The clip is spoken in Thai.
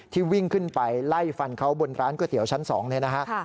วิ่งขึ้นไปไล่ฟันเขาบนร้านก๋วยเตี๋ยวชั้น๒เนี่ยนะฮะ